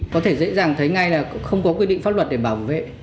có thể dễ dàng thấy ngay là không có quy định pháp luật để bảo vệ